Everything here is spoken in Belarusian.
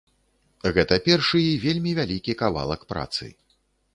Гэта першы і вельмі вялікі кавалак працы.